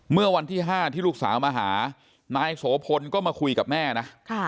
เมื่อวันที่๕ที่ลูกสาวมาหานายโสพลก็มาคุยกับแม่นะ